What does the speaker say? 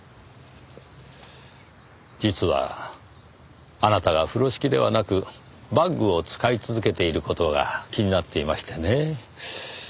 実はあなたが風呂敷ではなくバッグを使い続けている事が気になっていましてねぇ。